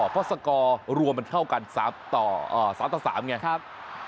เพราะสกอร์รวมมันเท่ากันสามต่ออ่อสามตั้งสามไงครับ